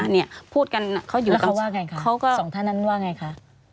เนี่ยพูดกันเขาอยู่แล้วเขาว่าไงคะเขาก็สองท่านนั้นว่าไงคะ